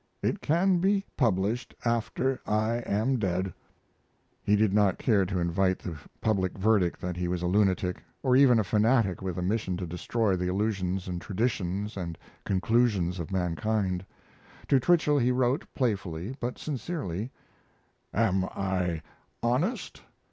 It can be published after I am dead." He did not care to invite the public verdict that he was a lunatic, or even a fanatic with a mission to destroy the illusions and traditions and conclusions of mankind. To Twichell he wrote, playfully but sincerely: Am I honest?